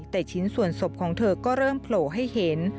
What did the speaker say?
แต่ชิ้นส่วนศพของเธอก็เริ่มโผล่ให้เห็น